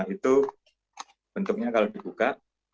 itu bentuknya kalau dibuka